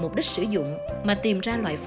mục đích sử dụng mà tìm ra loại